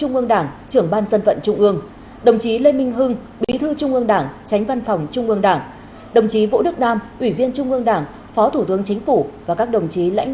và các đồng chí lãnh đạo ban bộ ngành trung ương